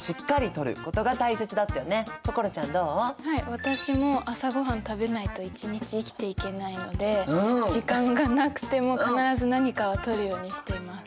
私も朝ごはん食べないと一日生きていけないので時間がなくても必ず何かをとるようにしています。